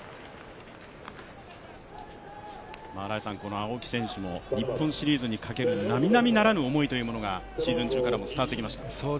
青木選手も日本シリーズにかける並々ならぬ思いというものがシーズン中からも伝わってきました。